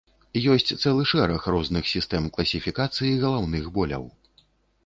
Ёсць цэлы шэраг розных сістэм класіфікацыі галаўных боляў.